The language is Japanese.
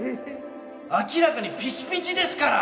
明らかにピチピチですから！